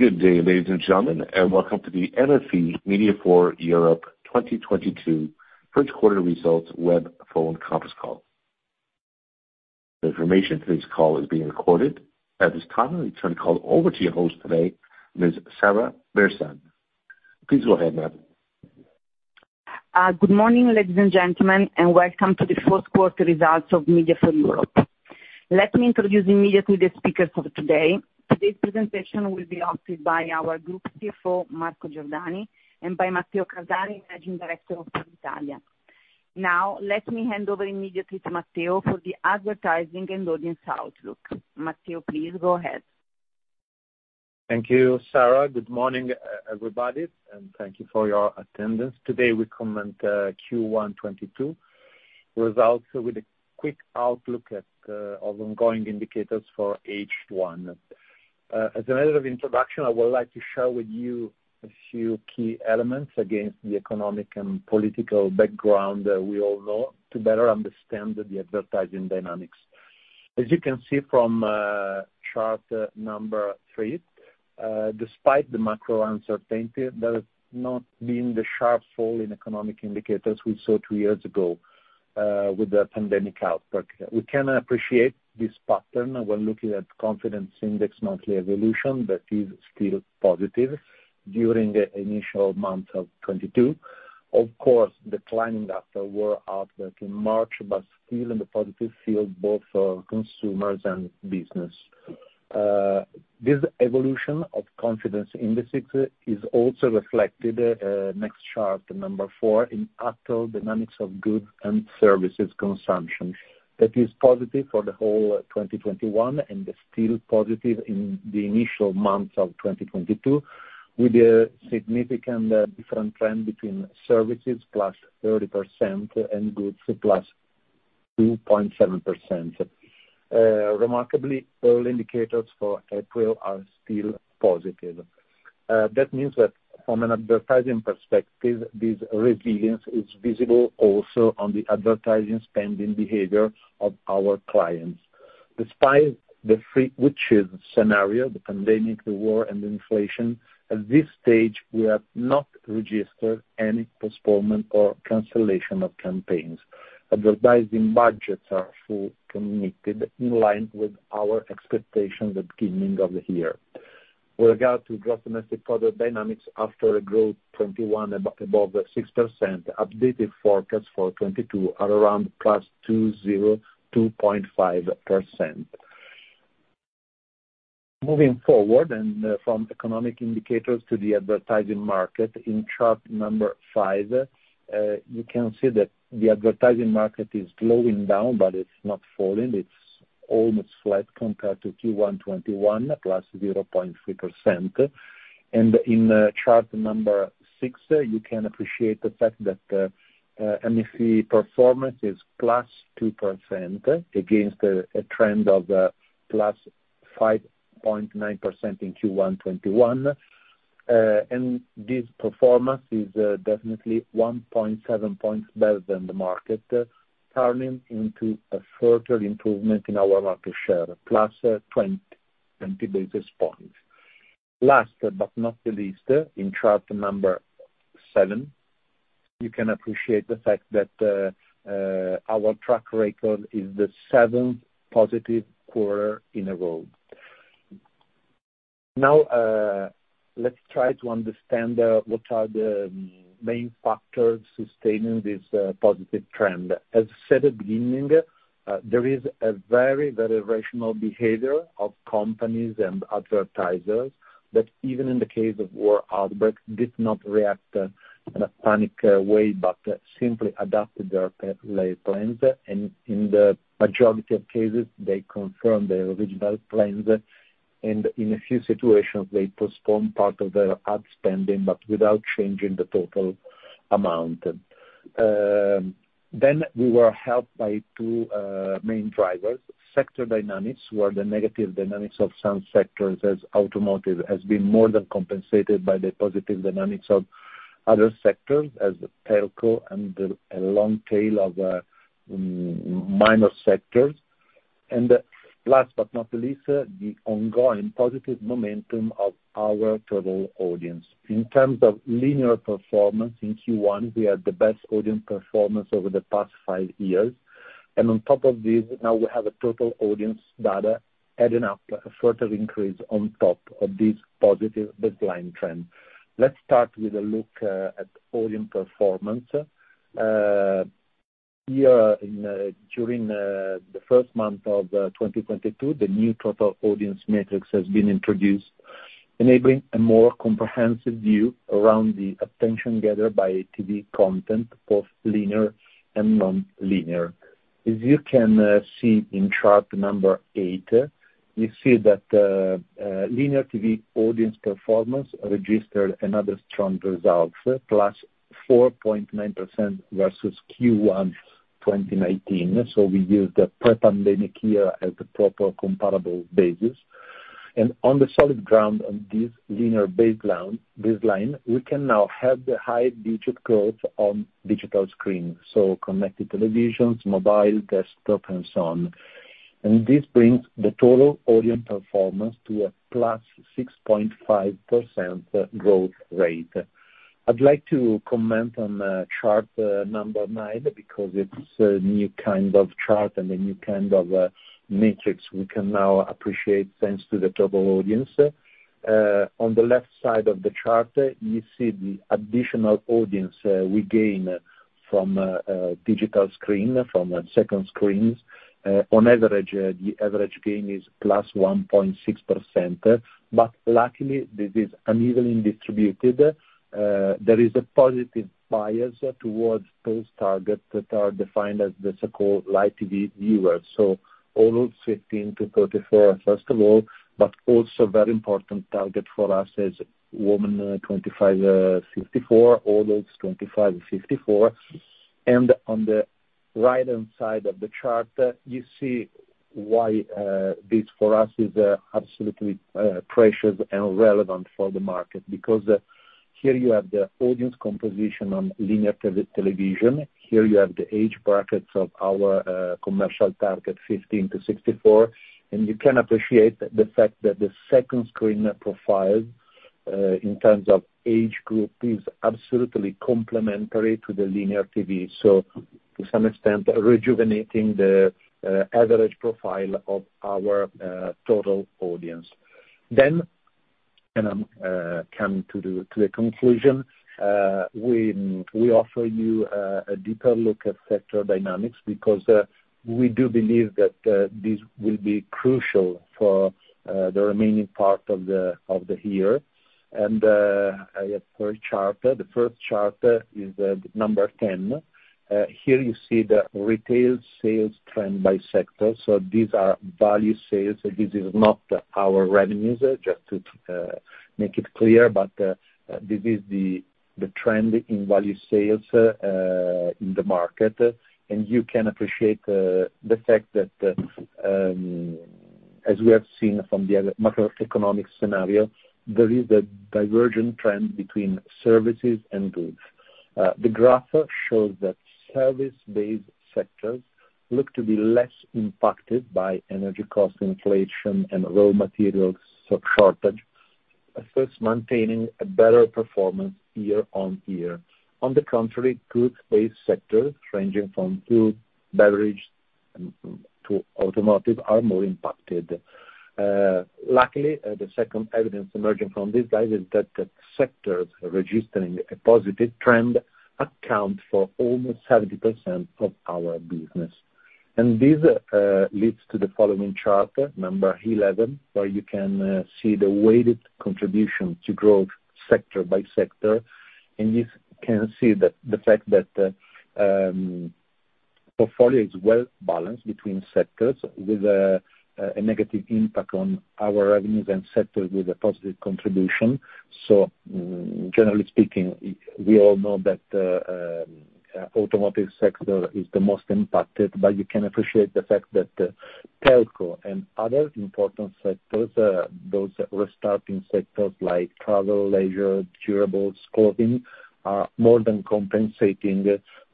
Good day, ladies and gentlemen, and welcome to the MFE-MediaForEurope 2022 first quarter results web phone conference call. The information for this call is being recorded. At this time, let me turn the call over to your host today, Ms. Sara Bersan. Please go ahead, ma'am. Good morning, ladies and gentlemen, and welcome to the fourth quarter results of Media for Europe. Let me introduce immediately the speakers for today. Today's presentation will be hosted by our Group CFO, Marco Giordani, and by Matteo Cardani, Managing Director of Publitalia. Now, let me hand over immediately to Matteo for the advertising and audience outlook. Matteo, please go ahead. Thank you, Sara. Good morning, everybody, and thank you for your attendance. Today, we comment Q1 2022 results with a quick outlook at of ongoing indicators for H1. As a matter of introduction, I would like to share with you a few key elements against the economic and political background that we all know to better understand the advertising dynamics. As you can see from chart number three, despite the macro uncertainty, there has not been the sharp fall in economic indicators we saw two years ago with the pandemic outbreak. We can appreciate this pattern when looking at confidence index monthly evolution that is still positive during the initial months of 2022. Of course, declining after war outbreak in March, but still in the positive field both for consumers and business. This evolution of confidence indices is also reflected, next chart number four, in actual dynamics of goods and services consumption. That is positive for the whole 2021 and still positive in the initial months of 2022, with a significant different trend between services, +30% and goods +2.7%. Remarkably, all indicators for April are still positive. That means that from an advertising perspective, this resilience is visible also on the advertising spending behavior of our clients. Despite the three witches scenario, the pandemic, the war, and the inflation, at this stage, we have not registered any postponement or cancellation of campaigns. Advertising budgets are still committed in line with our expectations at beginning of the year. With regard to gross domestic product dynamics after a growth 2021 above 6%, updated forecasts for 2022 are around +2.0 to 2.5%. Moving forward from economic indicators to the advertising market, in chart number five, you can see that the advertising market is slowing down, but it's not falling. It's almost flat compared to Q1 2021, +0.3%. In chart number six, you can appreciate the fact that MFE performance is +2% against a trend of +5.9% in Q1 2021. This performance is definitely 1.7 points better than the market, turning into a further improvement in our market share, +20 basis points. Last but not the least, in chart number seven, you can appreciate the fact that our track record is the seventh positive quarter in a row. Now, let's try to understand what are the main factors sustaining this positive trend. As said at beginning, there is a very, very rational behavior of companies and advertisers that even in the case of war outbreak, did not react in a panic way, but simply adapted their plans. In the majority of cases, they confirmed their original plans. In a few situations, they postponed part of their ad spending, but without changing the total amount. We were helped by two main drivers, sector dynamics, where the negative dynamics of some sectors as automotive has been more than compensated by the positive dynamics of other sectors as telco and a long tail of minor sectors. Last but not least, the ongoing positive momentum of our total audience. In terms of linear performance, in Q1, we had the best audience performance over the past five years. On top of this, now we have a total audience data adding up a further increase on top of this positive baseline trend. Let's start with a look at audience performance. Here, during the first month of 2022, the new total audience metrics has been introduced, enabling a more comprehensive view around the attention gathered by TV content, both linear and nonlinear. As you can see in chart number eight, you see that linear TV audience performance registered another strong results, +4.9% versus Q1 2019. We used a pre-pandemic year as a proper comparable basis. On the solid ground of this linear baseline, we can now have the high single-digit growth on digital screens, so connected televisions, mobile, desktop and so on. This brings the total audience performance to a +6.5% growth rate. I'd like to comment on chart number nine because it's a new kind of chart and a new kind of metrics we can now appreciate thanks to the total audience. On the left side of the chart, you see the additional audience we gain from a digital screen, from second screens. On average, the average gain is +1.6%, but luckily, this is unevenly distributed. There is a positive bias towards those targets that are defined as the so-called live TV viewers. Adults 15 to 34, first of all, but also very important target for us is women 25 to 54, adults 25 to 54. On the right-hand side of the chart, you see why, this for us is absolutely precious and relevant for the market because, here you have the audience composition on linear television. Here you have the age brackets of our commercial target, 15 to 64, and you can appreciate the fact that the second screen profile, in terms of age group is absolutely complementary to the linear TV. To some extent, rejuvenating the average profile of our total audience. I'm coming to the conclusion we offer you a deeper look at sector dynamics because we do believe that this will be crucial for the remaining part of the year. I have three chart. The first chart is number 10. Here you see the retail sales trend by sector. So these are value sales. This is not our revenues, just to make it clear, but this is the trend in value sales in the market. You can appreciate the fact that, as we have seen from the other macroeconomic scenario, there is a divergent trend between services and goods. The graph shows that service-based sectors look to be less impacted by energy cost inflation and raw materials shortage, thus maintaining a better performance year-on-year. On the contrary, goods-based sectors ranging from food, beverage, to automotive are more impacted. Luckily, the second evidence emerging from this guide is that the sectors registering a positive trend account for over 70% of our business. This leads to the following chart, number 11, where you can see the weighted contribution to growth sector by sector. You can see the fact that portfolio is well balanced between sectors with a negative impact on our revenues and sectors with a positive contribution. Generally speaking, we all know that automotive sector is the most impacted, but you can appreciate the fact that telco and other important sectors, those restarting sectors like travel, leisure, durables, clothing, are more than compensating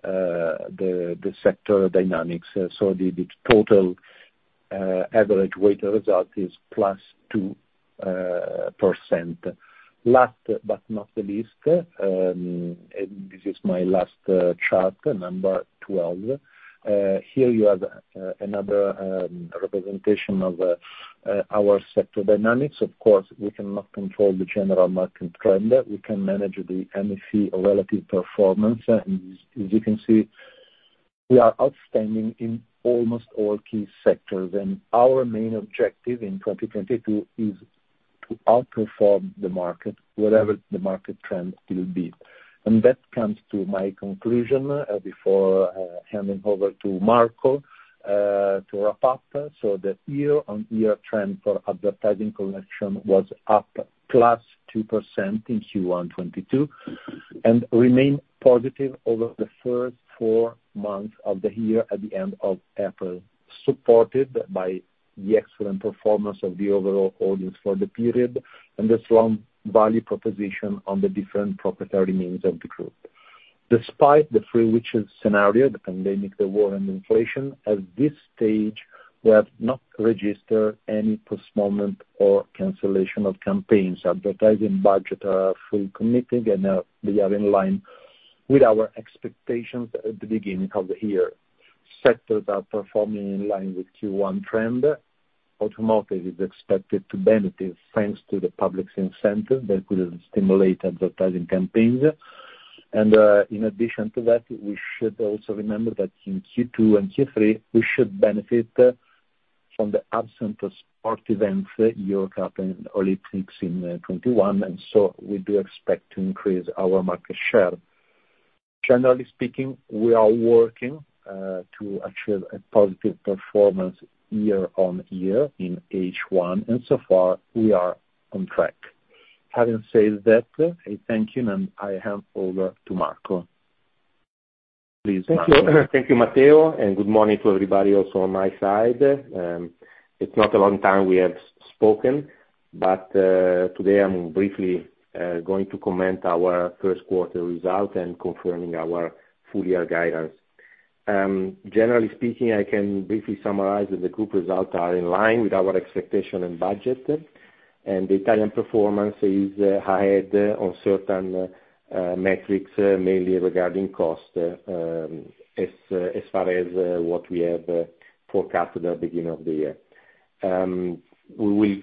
the sector dynamics. The total average weight result is +2%. Last but not the least, and this is my last chart, number 12. Here you have another representation of our sector dynamics. Of course, we cannot control the general market trend. We can manage the MFE relative performance. As you can see, we are outstanding in almost all key sectors, and our main objective in 2022 is to outperform the market, whatever the market trend will be. That comes to my conclusion, before handing over to Marco to wrap up. The year-on-year trend for advertising collection was up 2% in Q1 2022, and remained positive over the first four months of the year at the end of April, supported by the excellent performance of the overall audience for the period and the strong value proposition on the different proprietary means of the group. Despite the three witches scenario, the pandemic, the war, and inflation, at this stage, we have not registered any postponement or cancellation of campaigns. Advertising budget are fully committed, and they are in line with our expectations at the beginning of the year. Sectors are performing in line with Q1 trend. Automotive is expected to benefit thanks to the public's incentive that could stimulate advertising campaigns. In addition to that, we should also remember that in Q2 and Q3, we should benefit from the absence of sport events, the Euro Cup and Olympics in 2021, and so we do expect to increase our market share. Generally speaking, we are working to achieve a positive performance year-on-year in H1, and so far we are on track. Having said that, I thank you, and I hand over to Marco. Please, Marco. Thank you. Thank you, Matteo, and good morning to everybody also on my side. It's not a long time we have spoken, but today, I'm briefly going to comment our first quarter result and confirming our full year guidance. Generally speaking, I can briefly summarize that the group results are in line with our expectation and budget, and Italian performance is higher on certain metrics, mainly regarding cost, as far as what we have forecasted at the beginning of the year. We will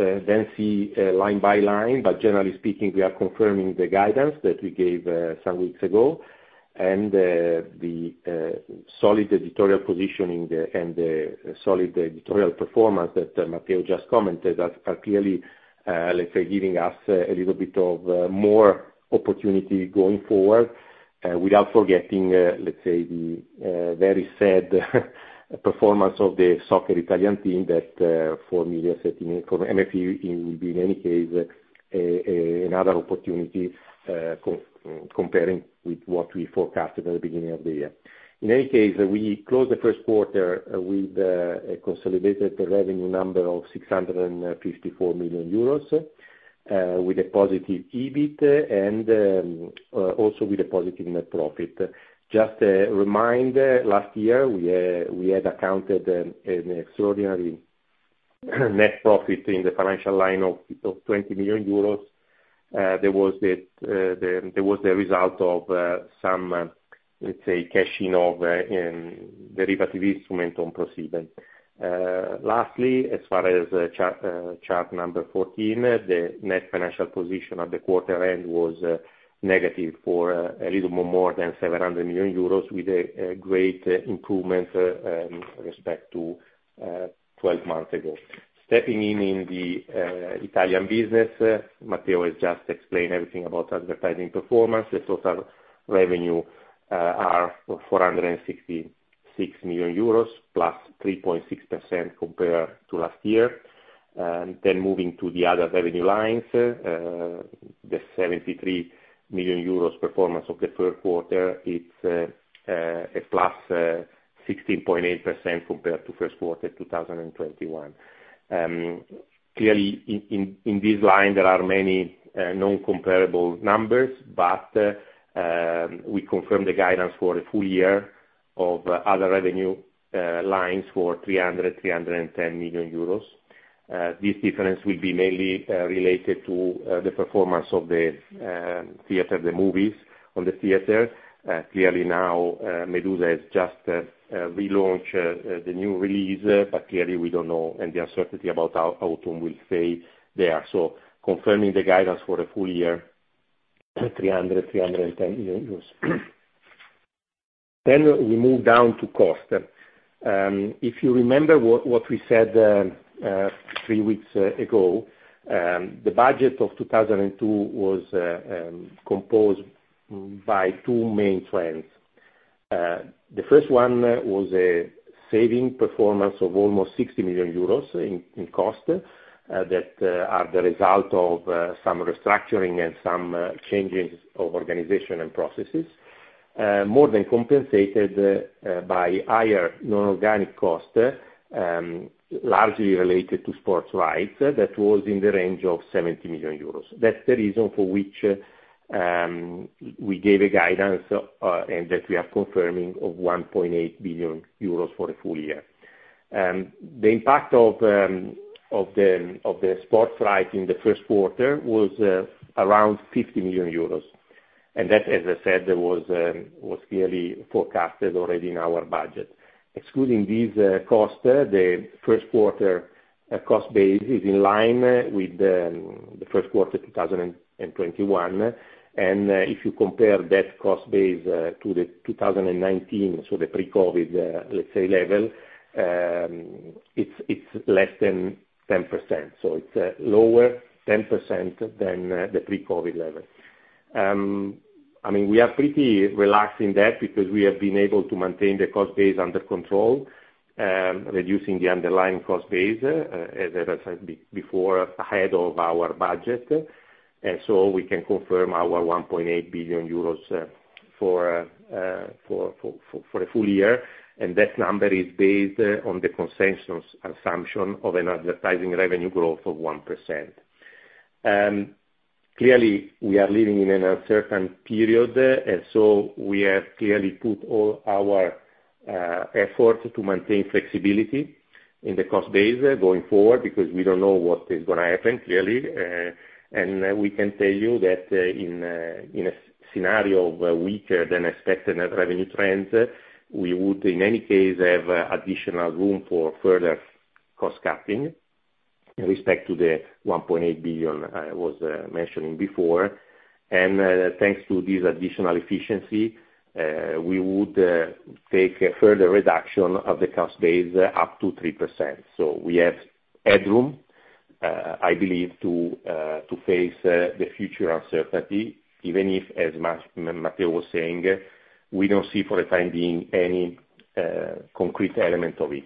then see line by line, but generally speaking, we are confirming the guidance that we gave some weeks ago and the solid editorial positioning and solid editorial performance that Matteo just commented are clearly, let's say, giving us a little bit of more opportunity going forward, without forgetting, let's say the very sad performance of the soccer Italian team that 4 million setback for MFE in many cases, another opportunity, comparing with what we forecasted at the beginning of the year. In any case, we closed the first quarter with a consolidated revenue number of 654 million euros, with a positive EBIT and also with a positive net profit. Just a reminder, last year we had accounted for an extraordinary net profit in the financial line of 20 million euros. There was the result of some let's say cashing of derivative instrument on proceeds. Lastly, as far as chart number 14, the net financial position at the quarter end was negative a little more than 700 million euros with a great improvement with respect to 12 months ago. Stepping into the Italian business, Matteo has just explained everything about advertising performance. The total revenue are 466 million euros+ 3.6% compared to last year. Moving to the other revenue lines, the 73 million euros performance of the third quarter is a +16.8% compared to first quarter 2021. Clearly in this line, there are many non-comparable numbers, but we confirm the guidance for the full year of other revenue lines for 310 million euros. This difference will be mainly related to the performance of the theater, the movies on the theater. Clearly now, Medusa has just relaunched the new release, but clearly we don't know and the uncertainty about how Autumn will fare there. Confirming the guidance for the full year, 310 million euros. We move down to cost. If you remember what we said three weeks ago, the budget of 2022 was composed by two main trends. The first one was a saving performance of almost 60 million euros in cost that are the result of some restructuring and some changes of organization and processes, more than compensated by higher non-organic cost, largely related to sports rights that was in the range of 70 million euros. That's the reason for which we gave a guidance and that we are confirming of 1.8 billion euros for the full year. The impact of the sports rights in the first quarter was around 50 million euros. That, as I said, was clearly forecasted already in our budget. Excluding these costs, the first quarter cost base is in line with the first quarter 2021. If you compare that cost base to the 2019, so the pre-COVID, let's say, level, it's less than 10%. It's lower 10% than the pre-COVID level. I mean, we are pretty relaxed in that because we have been able to maintain the cost base under control, reducing the underlying cost base, as I said before, ahead of our budget. We can confirm our 1.8 billion euros for a full year, and that number is based on the consensus assumption of an advertising revenue growth of 1%. Clearly, we are living in an uncertain period. We have clearly put all our effort to maintain flexibility in the cost base going forward because we don't know what is gonna happen, clearly. We can tell you that in a scenario of a weaker than expected revenue trends, we would in any case have additional room for further cost cutting with respect to the 1.8 billion I was mentioning before. Thanks to this additional efficiency, we would take a further reduction of the cost base up to 3%. We have headroom, I believe, to face the future uncertainty, even if, as Matteo was saying, we don't see for the time being any concrete element of it.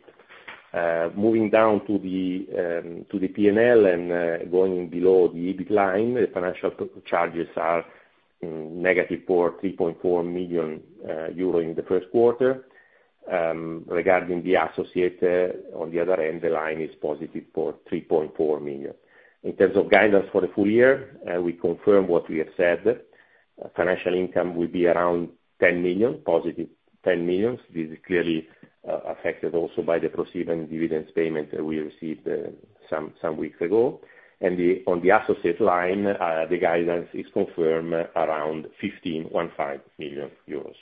Moving down to the P&L and going below the EBIT line, the financial charges are negative for 3.4 million euro in the first quarter. Regarding the associate, on the other hand, the line is positive for 3.4 million. In terms of guidance for the full year, we confirm what we have said. Financial income will be around 10 million,+EUR 10 million. This is clearly affected also by the ProSiebenSat.1 dividends payment that we received some weeks ago. On the associate line, the guidance is confirmed around 15 million euros, one to five.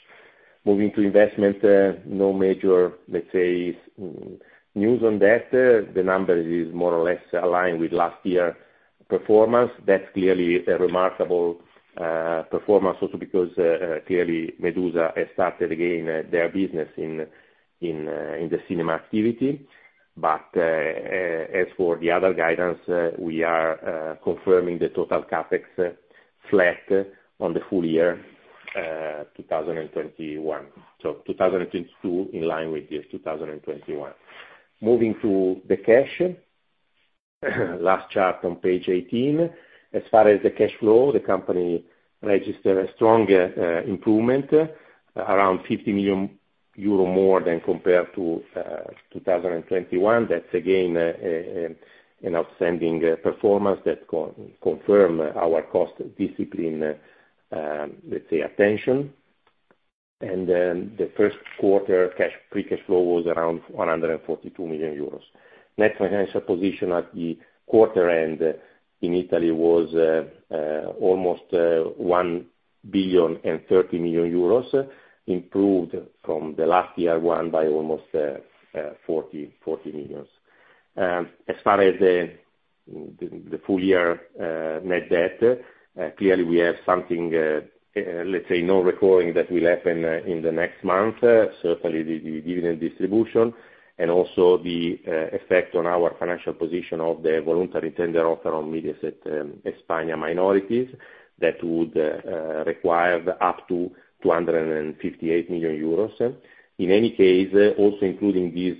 Moving to investment, no major, let's say, news on that. The number is more or less aligned with last year's performance. That clearly is a remarkable performance also because clearly Medusa has started again their business in the cinema activity. As for the other guidance, we are confirming the total CapEx flat on the full year 2021. 2022 in line with year 2021. Moving to the cash, last chart on page 18. As far as the cash flow, the company registered a strong improvement, around 50 million euro more than compared to 2021. That's again an outstanding performance that confirm our cost discipline, let's say, attention. The first quarter cash free cash flow was around 142 million euros. Net financial position at the quarter end in Italy was almost 1.03 billion, improved from the last year one by almost 40 million. As far as the full year net debt, clearly we have something, let's say, non-recurring that will happen in the next month. Certainly, the dividend distribution and also the effect on our financial position of the voluntary tender offer on Mediaset España minorities that would require up to 258 million euros. In any case, also including this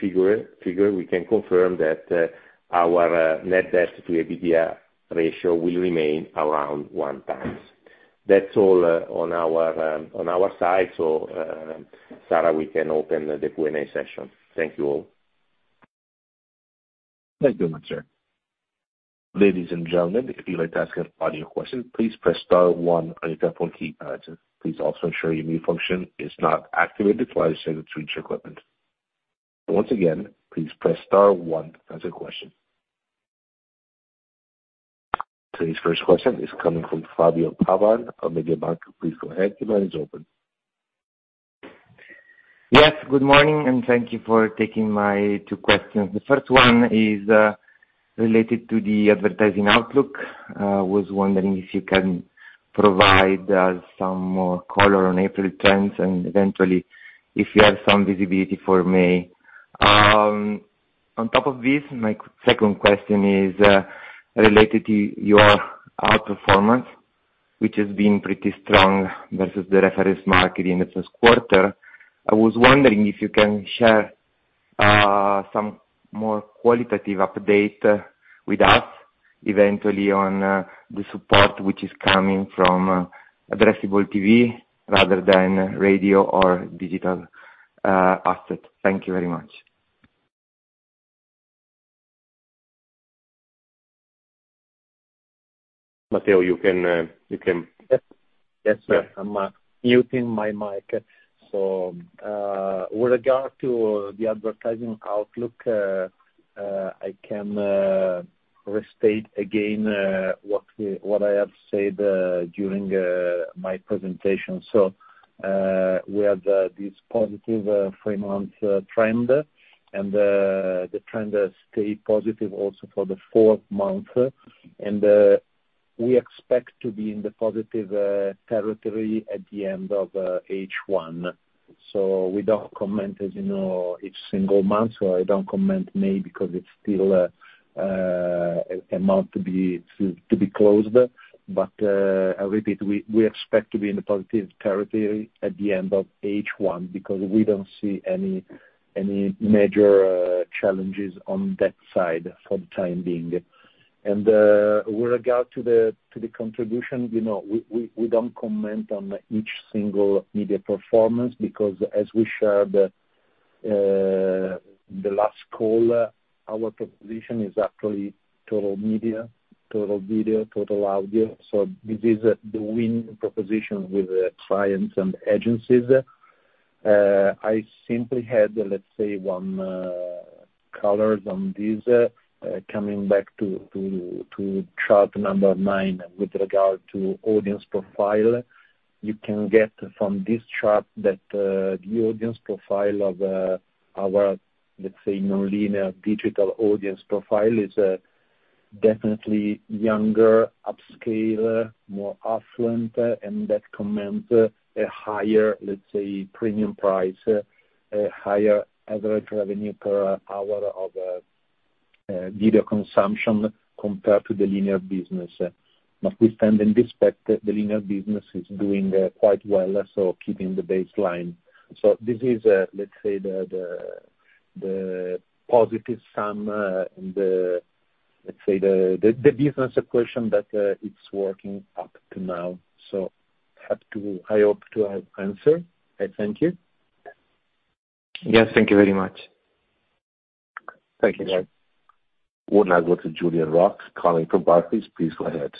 figure, we can confirm that our net debt to EBITDA ratio will remain around 1x. That's all on our side. Sara, we can open the Q and A session. Thank you all. Thank you, Matteo. Ladies and gentlemen, if you'd like to ask an audio question, please press star one on your telephone keypad. Please also ensure your mute function is not activated while inserting switch equipment. Once again, please press star one to ask a question. Today's first question is coming from Fabio Pavan of Mediobanca. Please go ahead, your line is open. Yes, good morning, and thank you for taking my two questions. The first one is related to the advertising outlook. Was wondering if you can provide some more color on April trends and eventually if you have some visibility for May. On top of this, my second question is related to your outperformance, which has been pretty strong versus the reference market in the first quarter. I was wondering if you can share some more qualitative update with us, eventually on the support which is coming from addressable TV rather than radio or digital assets. Thank you very much. Matteo, you can- Yes. Yes. I'm unmuting my mic. With regard to the advertising outlook, I can restate again what I have said during my presentation. We have this positive three-month trend, and the trend stay positive also for the fourth month. We expect to be in the positive territory at the end of H1. We don't comment, as you know, each single month, so I don't comment May because it's still an amount to be closed. I repeat, we expect to be in a positive territory at the end of H1 because we don't see any major challenges on that side for the time being. With regard to the contribution, you know, we don't comment on each single media performance because as we shared the last call, our proposition is actually total media, total video, total audio. This is the winning proposition with clients and agencies. I simply add, let's say, one color on this, coming back to chart number nine with regard to audience profile. You can get from this chart that the audience profile of our nonlinear digital audience profile is definitely younger, upscale, more affluent, and that commands a higher premium price, a higher average revenue per hour of video consumption compared to the linear business. We stand by the fact that the linear business is doing quite well, keeping the baseline. This is, let's say, the positive sum in the, let's say, the business equation that it's working up to now. I hope to have answered. I thank you. Yes, thank you very much. Thank you. We'll now go to Julien Roch, calling from Barclays. Please go ahead.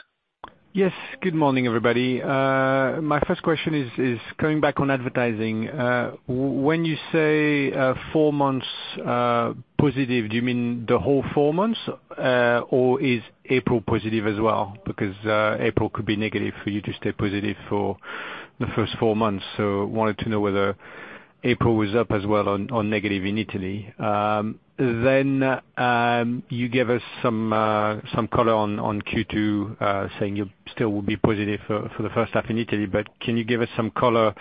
Yes. Good morning, everybody. My first question is coming back on advertising. When you say four months positive, do you mean the whole four months, or is April positive as well? Because April could be negative for you to stay positive for the first four months. Wanted to know whether April was up as well or negative in Italy. You gave us some color on Q2, saying you still will be positive for the first half in Italy, but can you give us some color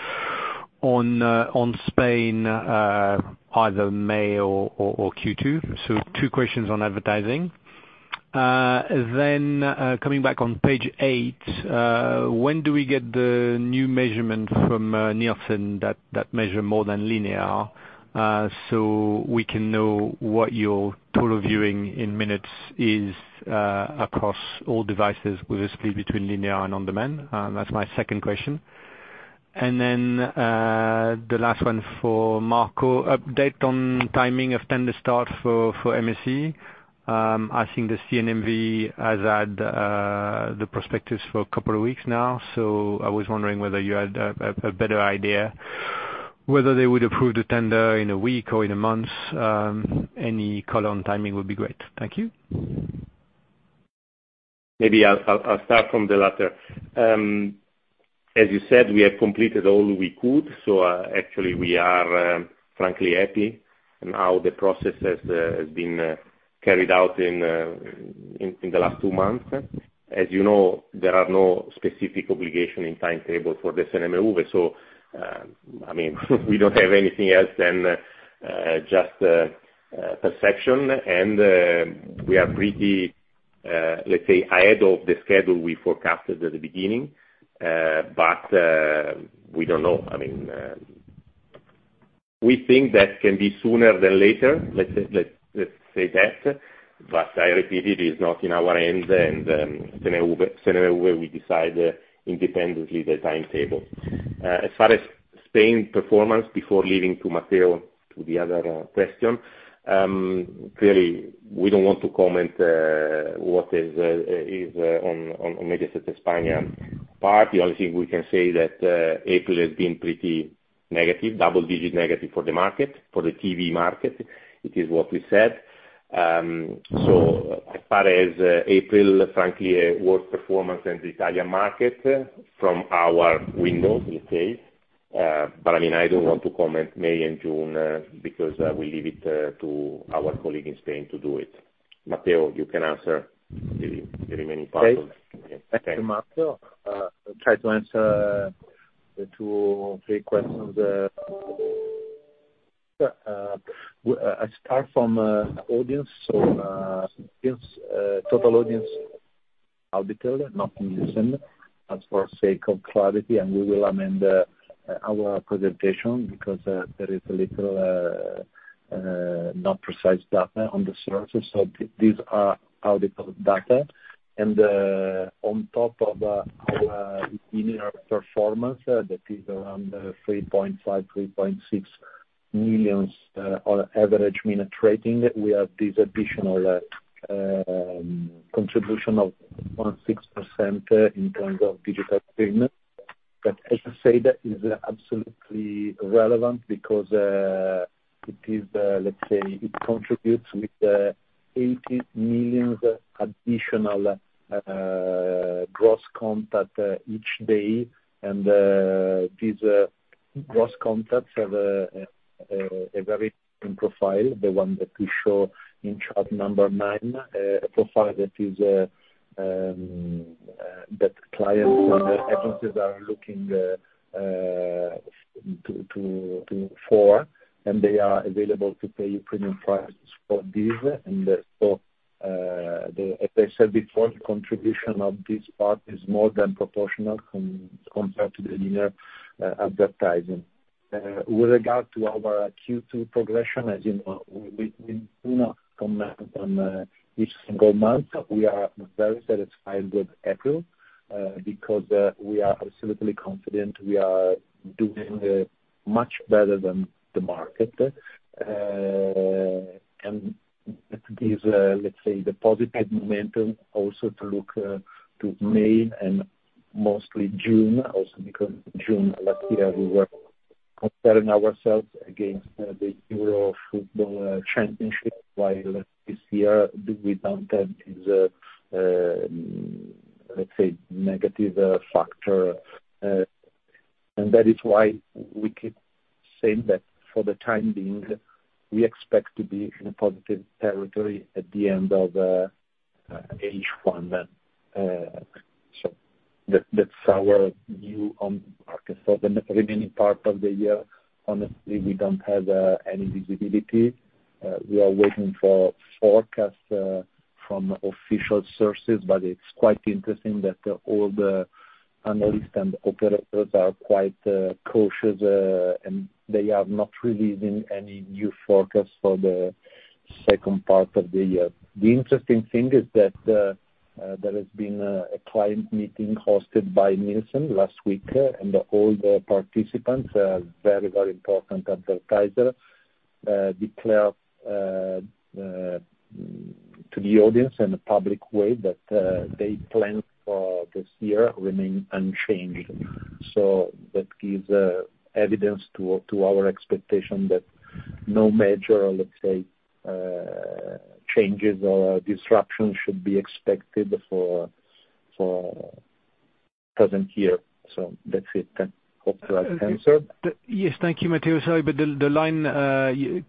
on Spain, either May or Q2? Two questions on advertising. Coming back on page eight, when do we get the new measurement from Nielsen that measures more than linear, so we can know what your total viewing in minutes is across all devices with a split between linear and on-demand? That's my second question. The last one for Marco, update on timing of tender start for Mediaset España. I think the CNMV has had the prospectus for a couple of weeks now, so I was wondering whether you had a better idea whether they would approve the tender in a week or in a month. Any color on timing would be great. Thank you. Maybe I'll start from the latter. As you said, we have completed all we could. Actually we are frankly happy in how the process has been carried out in the last two months. As you know, there are no specific obligations or timetable for the CNMV. I mean, we don't have anything else than just perception. We are pretty, let's say, ahead of the schedule we forecasted at the beginning. We don't know. I mean, we think that can be sooner than later, let's say that. I repeat, it is not in our hands and CNMV will decide independently the timetable. As far as Spain performance, before leaving to Matteo to the other question, clearly, we don't want to comment what is on Mediaset España part. The only thing we can say that April has been pretty negative, double digit negative for the market, for the TV market. It is what we said. As far as April, frankly, a worse performance than the Italian market from our window, let's say. I mean, I don't want to comment May and June, because we leave it to our colleague in Spain to do it. Matteo, you can answer the remaining part of- Okay. Okay. Thank you, Matteo. I'll try to answer the two to three questions. I start from audience. Since total audience, not Nielsen, for sake of clarity, and we will amend our presentation because there is a little not precise data on the sources. These are unaudited data. On top of our linear performance that is around 3.5-3.6 million on average minute rating, we have this additional contribution of 0.6% in terms of digital streaming. As I said, that is absolutely relevant because it is, let's say, it contributes with 80 million additional gross contact each day. These gross contacts have a very different profile, the one that we show in chart number nine, a profile that is that clients and agencies are looking to for, and they are available to pay premium prices for this. As I said before, the contribution of this part is more than proportional compared to the linear advertising. With regard to our Q2 progression, as you know, we do not comment on each single month. We are very satisfied with April, because we are absolutely confident we are doing much better than the market. That gives, let's say, the positive momentum also to look to May and mostly June, also because June last year we were comparing ourselves against the Euro Football Championship, while this year the downturn is, let's say, negative factor. That is why we keep saying that for the time being, we expect to be in a positive territory at the end of H1. That's our view on the market. For the remaining part of the year, honestly, we don't have any visibility. We are waiting for forecasts from official sources, but it's quite interesting that all the analysts and operators are quite cautious, and they are not releasing any new forecast for the second part of the year. The interesting thing is that there has been a client meeting hosted by Nielsen last week, and all the participants, a very, very important advertiser, declared to the audience in a public way that their plans for this year remain unchanged. That gives evidence to our expectation that no major, let's say, changes or disruptions should be expected for the present year. That's it. Hope that answered. Yes. Thank you, Matteo. Sorry, but the line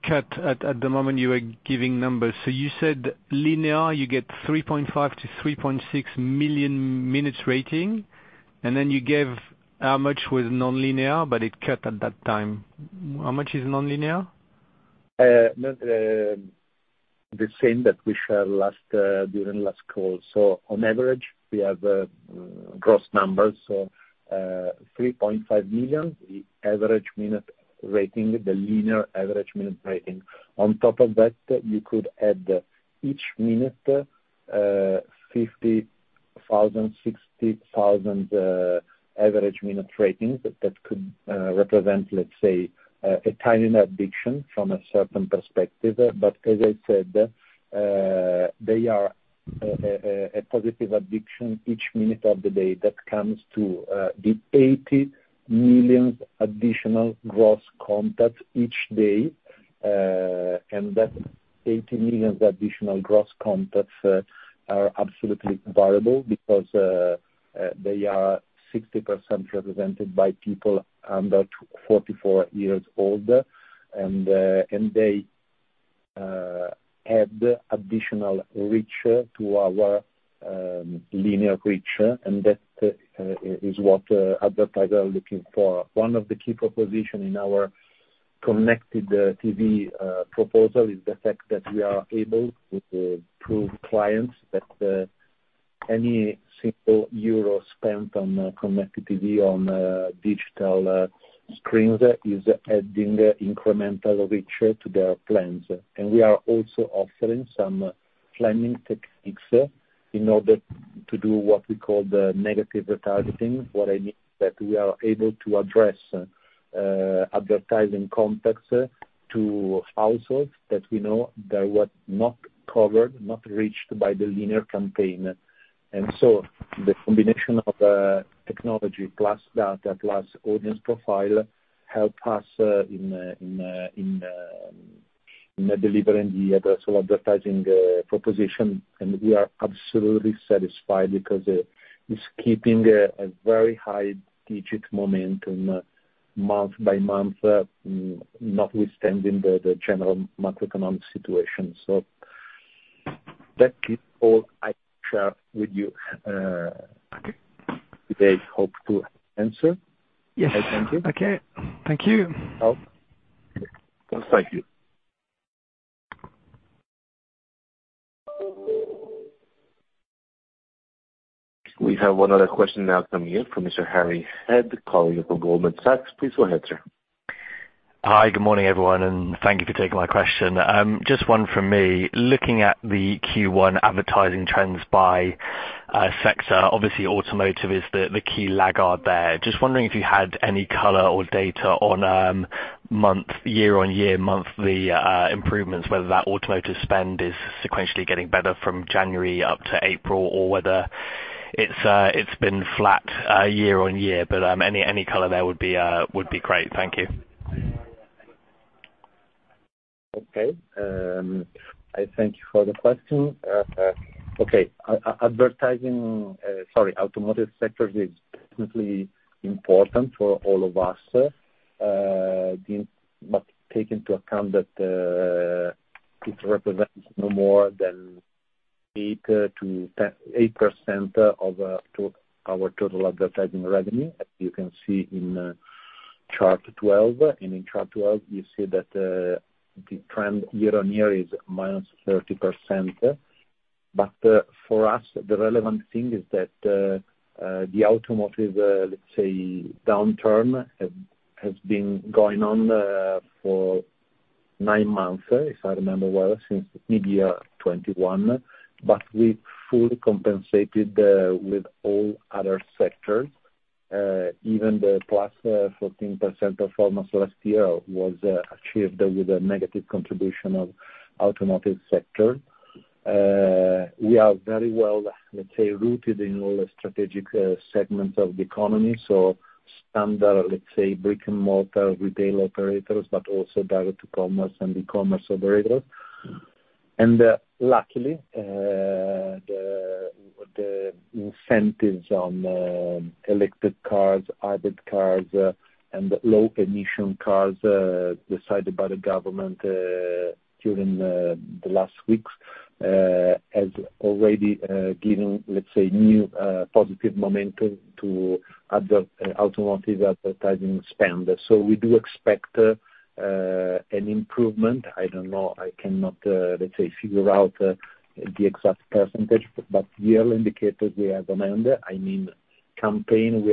cut at the moment you were giving numbers. You said linear, you get 3.5-3.6 million minute rating, and then you gave how much was nonlinear, but it cut at that time. How much is nonlinear? The same that we shared last during last call. On average, we have gross numbers. 3.5 million average minute rating, the linear average minute rating. On top of that, you could add each minute 50,000, 60,000 average minute ratings. That could represent, let's say, a tiny addition from a certain perspective. As I said, they are a positive addition each minute of the day that comes to the 80 million additional gross contacts each day. That 80 million additional gross contacts are absolutely valuable because they are 60% represented by people under 44 years old, and they add additional reach to our linear reach. That is what advertisers are looking for. One of the key proposition in our connected TV proposal is the fact that we are able to prove clients that any single euro spent on connected TV on digital screens is adding incremental reach to their plans. We are also offering some planning techniques in order to do what we call the negative retargeting. What I mean is that we are able to address advertising contacts to households that we know they were not covered, not reached by the linear campaign. The combination of technology plus data plus audience profile help us in delivering the addressable advertising proposition. We are absolutely satisfied because it's keeping a very high digit momentum month by month notwithstanding the general macroeconomic situation. That is all I share with you today. Hopeful answer. Yes. I thank you. Okay. Thank you. Thank you. We have one other question now coming in from Mr. Harry Head calling in from Goldman Sachs. Please go ahead, sir. Hi, good morning, everyone, and thank you for taking my question. Just one from me. Looking at the Q1 advertising trends by sector, obviously automotive is the key laggard there. Just wondering if you had any color or data on month-on-year, monthly improvements, whether that automotive spend is sequentially getting better from January up to April or whether it's been flat year-on-year, but any color there would be great. Thank you. Okay. I thank you for the question. Okay, sorry, automotive sector is definitely important for all of us. Take into account that it represents no more than eight to 10, 8% of our total advertising revenue, as you can see in chart 12. In chart 12, you see that the trend year-on-year is -30%. For us, the relevant thing is that the automotive, let's say, downturn has been going on for nine months, if I remember well, since mid-2021, but we've fully compensated with all other sectors. Even the +14% performance last year was achieved with a negative contribution of automotive sector. We are very well, let's say, rooted in all the strategic segments of the economy, so standard, let's say, brick-and-mortar retail operators, but also direct-to-commerce and e-commerce operators. Luckily, the incentives on electric cars, hybrid cars, and low-emission cars decided by the government during the last weeks has already given, let's say, new positive momentum to other automotive advertising spend. We do expect an improvement. I don't know, I cannot, let's say, figure out the exact percentage, but early indicators we have on hand. I mean, campaigns,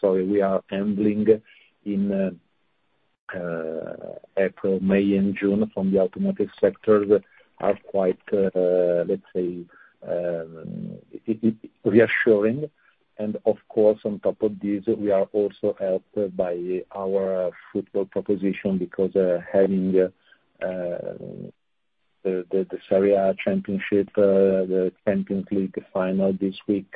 sorry, we are handling in April, May and June from the automotive sector are quite, let's say, it's reassuring. Of course, on top of this, we are also helped by our football proposition, because having the Serie A, the Champions League final this week,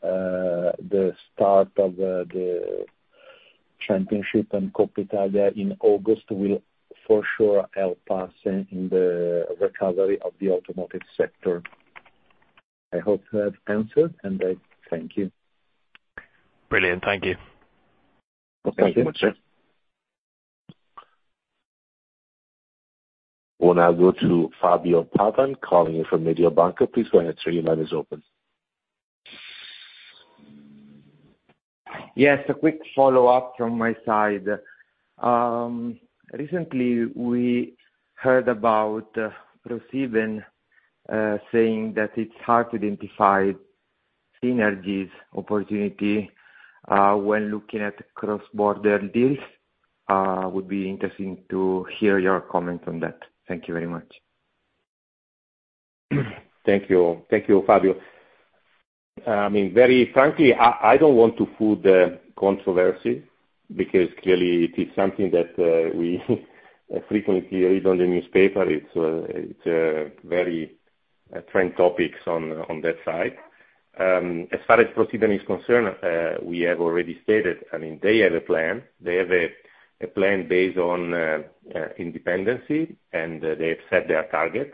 the start of the championship and Coppa Italia in August will for sure help us in the recovery of the automotive sector. I hope to have answered, and I thank you. Brilliant. Thank you. Okay. Thank you, sir. We'll now go to Fabio Pavan calling in from Mediobanca. Please go ahead, sir. Your line is open. Yes, a quick follow-up from my side. Recently, we heard about ProSieben saying that it's hard to identify synergies opportunity when looking at cross-border deals. Would be interesting to hear your comment on that. Thank you very much. Thank you. Thank you, Fabio. I mean, very frankly, I don't want to fuel the controversy because clearly it is something that we frequently read in the newspapers. It's a very trending topic on that side. As far as ProSiebenSat.1 is concerned, we have already stated, I mean, they have a plan. They have a plan based on independence, and they've set their target.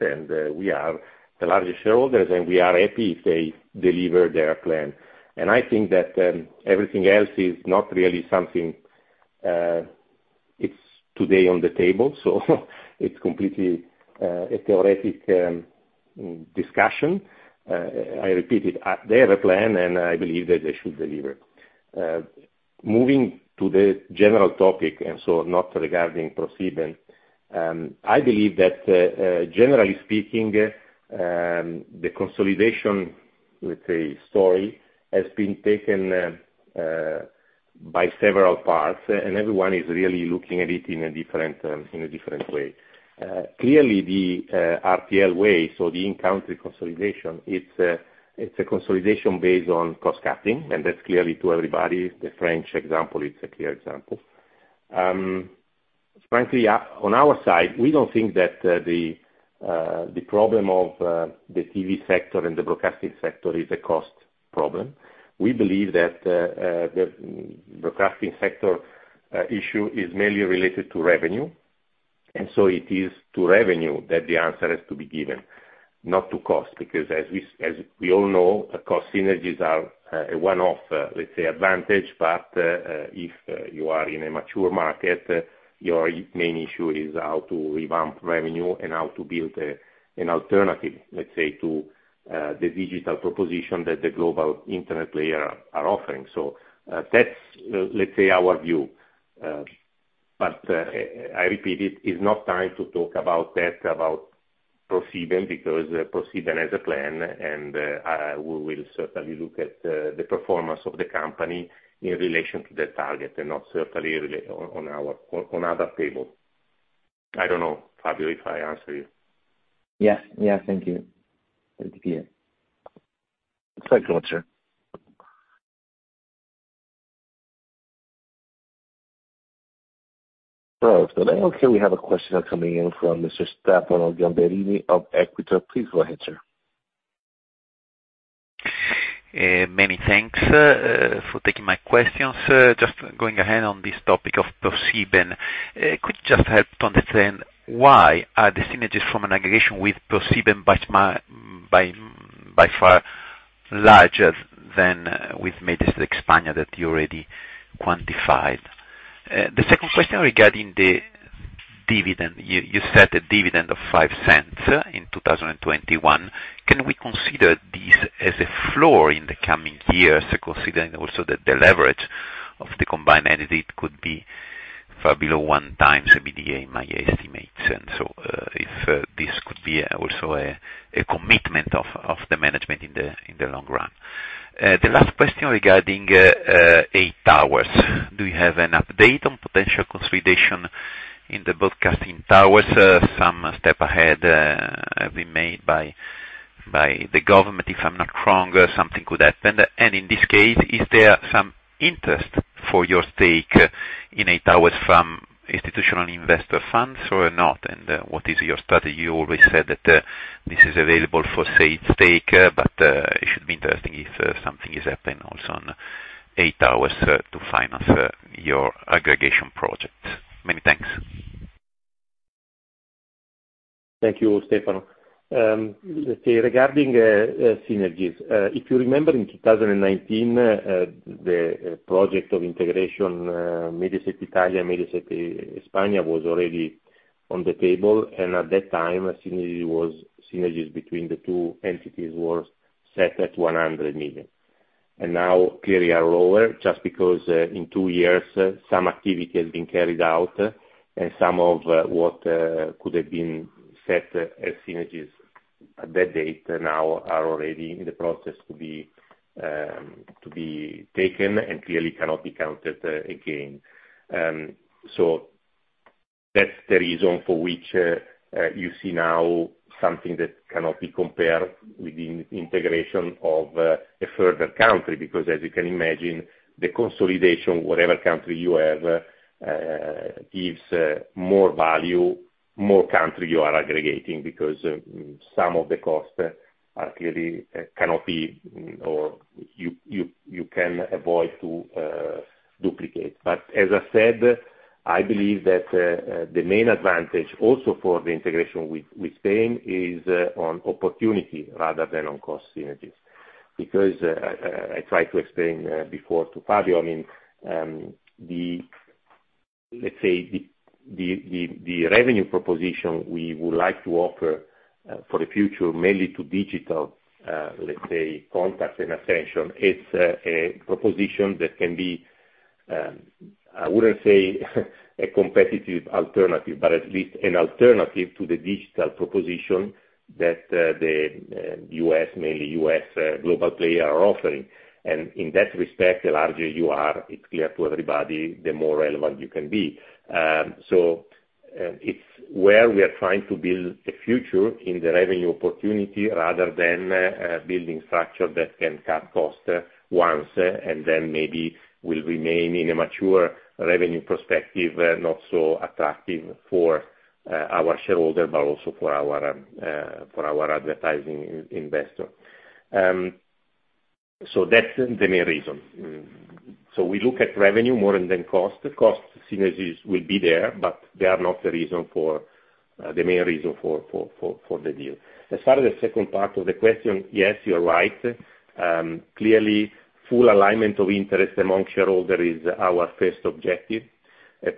We are the largest shareholders, and we are happy if they deliver their plan. I think that everything else is not really something, it's not on the table today, so it's completely a theoretical discussion. I repeat it, they have a plan, and I believe that they should deliver. Moving to the general topic, not regarding ProSiebenSat.1, I believe that generally speaking, the consolidation, let's say, story has been taken by several parts, and everyone is really looking at it in a different way. Clearly the RTL way, the in-country consolidation, it's a consolidation based on cost cutting, and that's clearly to everybody. The French example, it's a clear example. Frankly, on our side, we don't think that the problem of the TV sector and the broadcasting sector is a cost problem. We believe that the broadcasting sector issue is mainly related to revenue, and so it is to revenue that the answer has to be given, not to cost. Because as we all know, cost synergies are a one-off, let's say, advantage, but if you are in a mature market, your main issue is how to revamp revenue and how to build an alternative, let's say, to the digital proposition that the global internet player are offering. That's, let's say, our view. I repeat it's not time to talk about that, about ProSieben, because ProSieben has a plan, and we will certainly look at the performance of the company in relation to the target and not certainly on other table. I don't know, Fabio, if I answer you. Yes. Yes. Thank you. Thank you. Thank you, sir. Today also we have a question coming in from Mr. Stefano Gamberini of Equita. Please go ahead, sir. Many thanks for taking my questions. Just going ahead on this topic of ProSiebenSat.1, could you just help to understand why are the synergies from an integration with ProSiebenSat.1 by far larger than with Mediaset España that you already quantified? The second question regarding the dividend. You set a dividend of 0.05 in 2021. Can we consider this as a floor in the coming years, considering also that the leverage of the combined entity could be far below 1x EBITDA in my estimates? If this could be also a commitment of the management in the long run. The last question regarding EI Towers. Do you have an update on potential consolidation in the broadcasting towers? Some steps ahead have been made by the government. If I'm not wrong, something could happen. In this case, is there some interest for your stake in EI Towers from institutional investor funds or not? What is your strategy? You always said that this is available for sale stake, but it should be interesting if something is happening also on EI Towers to finance your aggregation project. Many thanks. Thank you, Stefano. Let's say regarding synergies, if you remember in 2019, the project of integration Mediaset Italia, Mediaset España was already on the table, and at that time synergies between the two entities were set at 100 million. Now clearly are lower just because in two years, some activity has been carried out and some of what could have been set as synergies at that date, now are already in the process to be taken and clearly cannot be counted again. That's the reason for which you see now something that cannot be compared with the integration of a further country, because as you can imagine, the consolidation, whatever country you have, gives more value, more country you are aggregating because some of the costs are clearly cannot be or you can avoid to duplicate. As I said, I believe that the main advantage also for the integration with Spain is on opportunity rather than on cost synergies. Because I tried to explain before to Fabio, I mean, the. Let's say the revenue proposition we would like to offer for the future, mainly to digital, let's say, clients and agencies, it's a proposition that can be, I wouldn't say a competitive alternative, but at least an alternative to the digital proposition that the U.S., mainly U.S., global players are offering. In that respect, the larger you are, it's clear to everybody, the more relevant you can be. It's where we are trying to build a future in the revenue opportunity rather than building structure that can cut costs once, and then maybe will remain in a mature revenue perspective, not so attractive for our shareholder, but also for our advertising investor. That's the main reason. We look at revenue more than cost. The cost synergies will be there, but they are not the main reason for the deal. As far as the second part of the question, yes, you're right. Clearly, full alignment of interests among shareholders is our first objective.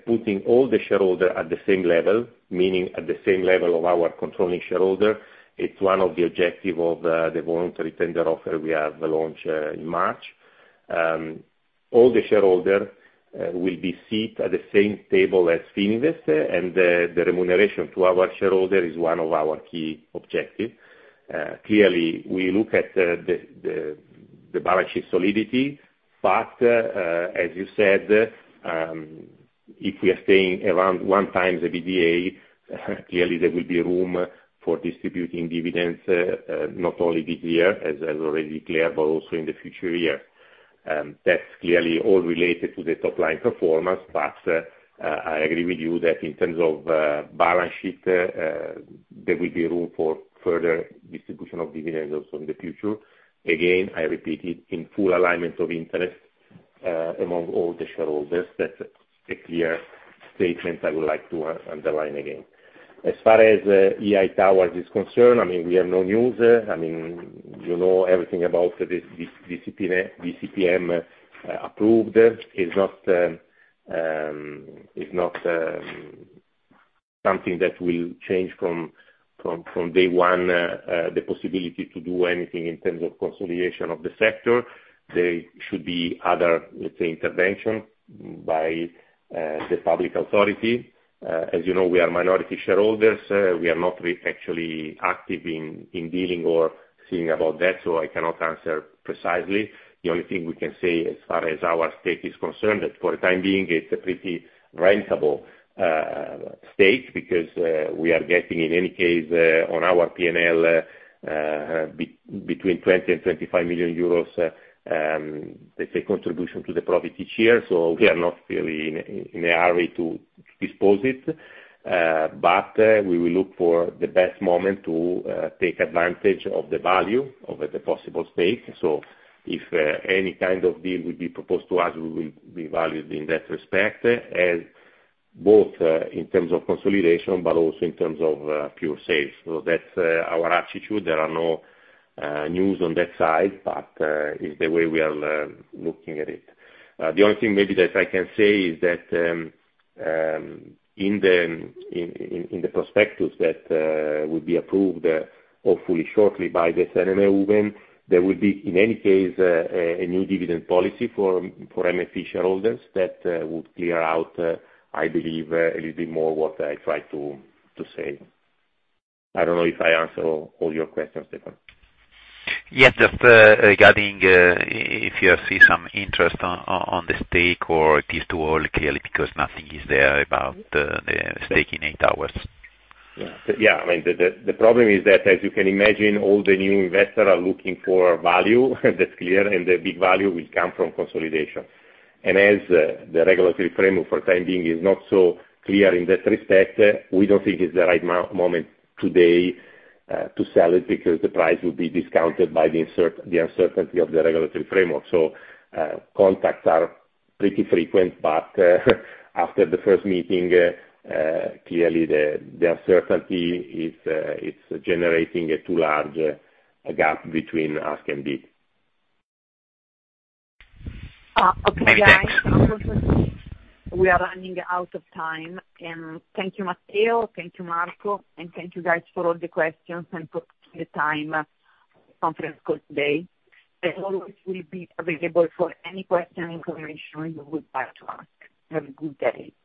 Putting all the shareholders at the same level, meaning at the same level of our controlling shareholder, it's one of the objectives of the voluntary tender offer we have launched in March. All the shareholders will be seated at the same table as Fininvest, and the remuneration to our shareholders is one of our key objectives. Clearly, we look at the balance sheet solidity. As you said, if we are staying around 1x the EBITDA, clearly there will be room for distributing dividends, not only this year, as already clear, but also in the future year. That's clearly all related to the top line performance. I agree with you that in terms of balance sheet, there will be room for further distribution of dividends also in the future. Again, I repeat it, in full alignment of interest among all the shareholders. That's a clear statement I would like to underline again. As far as EI Towers is concerned, I mean, we have no news. I mean, you know everything about the DPCM approved. It's not something that will change from day one, the possibility to do anything in terms of consolidation of the sector. There should be other, let's say, intervention by the public authority. As you know, we are minority shareholders. We are not actually active in dealing or seeing about that, so I cannot answer precisely. The only thing we can say as far as our stake is concerned, that for the time being, it's a pretty rentable stake because we are getting, in any case, on our P&L, between 20 million and 25 million euros, let's say contribution to the profit each year. We are not really in a hurry to dispose of it, but we will look for the best moment to take advantage of the value of the possible stake. If any kind of deal will be proposed to us, we will revalue in that respect, as both in terms of consolidation, but also in terms of pure sales. That's our attitude. There are no news on that side, but it's the way we are looking at it. The only thing maybe that I can say is that in the prospectus that will be approved, hopefully shortly by the CNMV, there will be, in any case, a new dividend policy for MFE shareholders that would clear up, I believe, a little bit more what I tried to say. I don't know if I answered all your questions, Stefano. Yes, just regarding if you see some interest on the stake or it is too early, clearly because nothing is there about the stake in EI Towers. I mean, the problem is that, as you can imagine, all the new investors are looking for value, that's clear, and the big value will come from consolidation. As the regulatory framework for the time being is not so clear in that respect, we don't think it's the right moment today to sell it because the price will be discounted by the uncertainty of the regulatory framework. Contacts are pretty frequent, but after the first meeting, clearly the uncertainty is generating a too large gap between ask and bid. Okay, guys. We are running out of time. Thank you, Matteo, thank you, Marco, and thank you guys for all the questions and for the time for the conference call today. As always, we'll be available for any question, information you would like to ask. Have a good day.